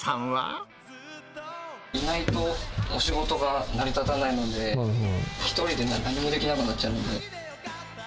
いないと、お仕事が成り立たないので、１人ではなんにもできなくなっちゃうので。